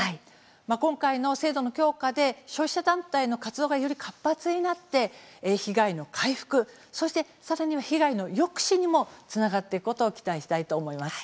今回の制度の強化で消費者団体の活動がより活発になって被害の回復そしてさらには被害の抑止にもつながっていくことを期待したいと思います。